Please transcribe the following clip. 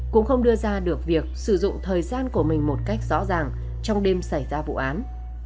cũng không đưa ra được việc sử dụng thời gian của mình một cách rõ ràng trong đêm xảy ra vụ án